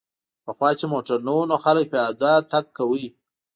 پخوا چې موټر نه و نو خلک پیاده تګ کاوه